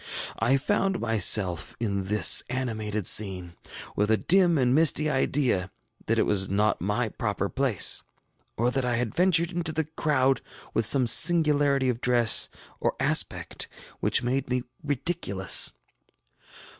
I found myself in this animated scene, with a dim and misty idea that it was not my proper place, or that I had ventured into the crowd with some singularity of dress or aspect which made me ridiculous.